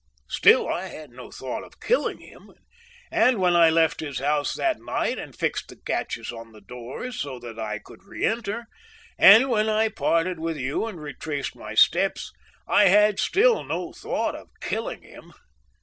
Still I had no thought of killing him, and when I left his house that night and fixed the catches on the doors so that I could re enter, and when I parted with you and retraced my steps, I had still no thought of killing him.